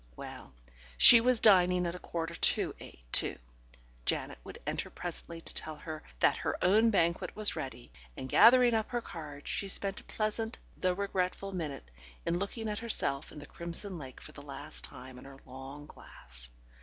Well, she was dining at a quarter to eight, too; Janet would enter presently to tell her that her own banquet was ready, and gathering up her cards, she spent a pleasant though regretful minute in looking at herself and the crimson lake for the last time in her long glass.